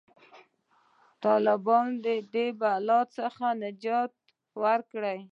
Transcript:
طالبانو د دې بلا څخه نجات ورکړ.